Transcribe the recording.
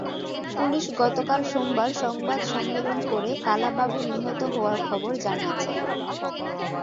Police গতকাল সোমবার সংবাদ সম্মেলন করে কালা বাবুর নিহত হওয়ার খবর জানিয়েছে।